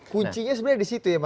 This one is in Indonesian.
kunci nya sebenarnya di situ ya